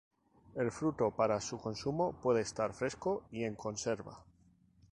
El fruto para su consumo puede estar fresco y en conserva.